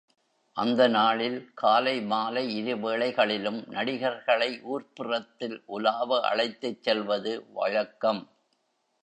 அந்த நாளில் காலை, மாலை, இருவேளைகளிலும் நடிகர்களை ஊர்ப்புறத்தில் உலாவ அழைத்துச் செல்வது வழக்கம்.